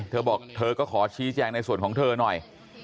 เธอบอกเธอก็ขอชี้แจงในส่วนของเธอหน่อย